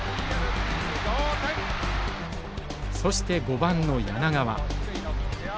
そして５番の柳川。